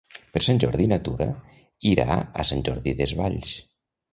Per Sant Jordi na Tura irà a Sant Jordi Desvalls.